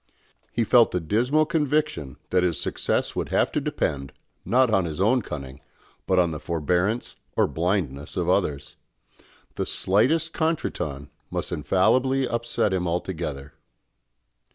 He felt a dismal conviction that his success would have to depend, not on his own cunning, but on the forbearance or blindness of others. The slightest contretemps must infallibly upset him altogether.